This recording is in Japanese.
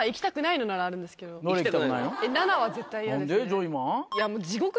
ジョイマン。